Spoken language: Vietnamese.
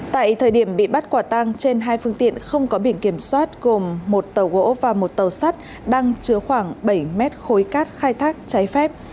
tại thời điểm bị bắt quả tang trên hai phương tiện không có biển kiểm soát gồm một tàu gỗ và một tàu sắt đang chứa khoảng bảy mét khối cát khai thác trái phép